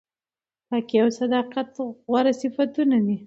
پاکي او صداقت غوره صفتونه دي.